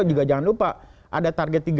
juga jangan lupa ada target